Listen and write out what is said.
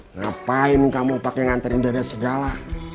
ngapain kamu pake nganterin dede segala